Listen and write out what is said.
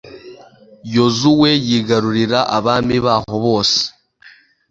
yozuwe yigarurira abami baho bose